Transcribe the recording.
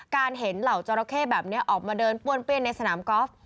การเห็นเหล่าจราเข้แบบนี้ออกมาเดินป้วนเปี้ยนในสนามกอล์ฟ